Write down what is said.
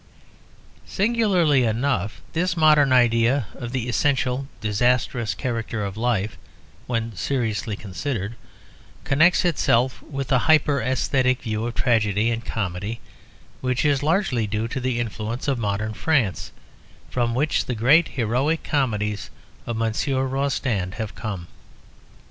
Singularly enough, this modern idea of the essential disastrous character of life, when seriously considered, connects itself with a hyper æsthetic view of tragedy and comedy which is largely due to the influence of modern France, from which the great heroic comedies of Monsieur Rostand have come.